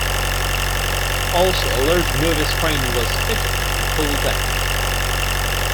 Also, a large movie screen was fitted on the pool deck.